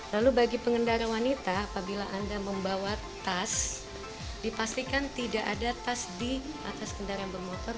lalu bagi pengendara wanita apabila anda membawa tas dipastikan tidak ada tas di atas kendaraan bermotor